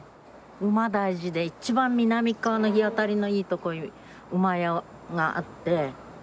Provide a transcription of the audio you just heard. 馬大事で一番南側の日当たりのいい所に厩があって。